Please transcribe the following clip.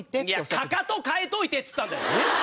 「かかと替えといて」っつったんだよ！